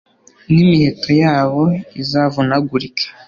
n'imiheto yabo izavunagurike